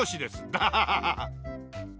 ダハハハハ。